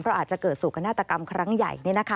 เพราะอาจจะเกิดสู่กนาฏกรรมครั้งใหญ่